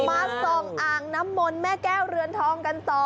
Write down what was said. มาส่องอ่างน้ำมนต์แม่แก้วเรือนทองกันต่อ